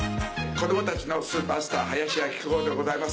子供たちのスーパースター林家木久扇でござます。